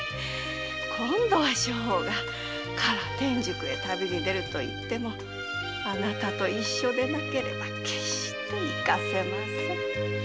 今度は将翁が唐天竺へ旅に出ると言ってもあなたと一緒でなければ決して行かせませぬ。